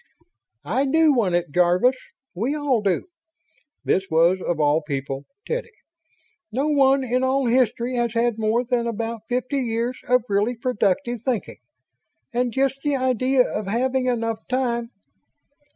"I do want it, Jarvis. We all do." This was, of all people, Teddy! "No one in all history has had more than about fifty years of really productive thinking. And just the idea of having enough time